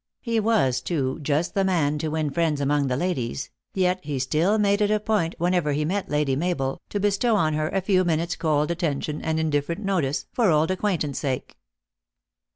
He was, too, just the man to win friends among the ladies ; yet he still made it a point, when ever he met Lady Mabel, to bestow on her a few minutes cold attention and indifferent notice, for old acquaintance sake.